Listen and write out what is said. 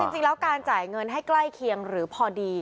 จริงแล้วการจ่ายเงินให้ใกล้เคียงหรือพอดี